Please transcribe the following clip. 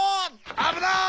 あぶない！